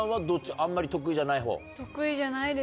あんまり得意じゃないほう？